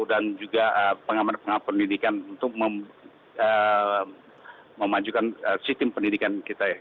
dan juga pengamatan pendidikan untuk memajukan sistem pendidikan kita ya